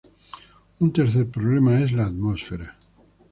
Un tercer problema es la atmósfera.